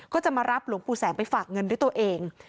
ก็จะมารับหลวงปู่แสงไปฝากเงินด้วยตัวเอง